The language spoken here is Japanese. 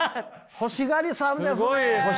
欲しがりですね。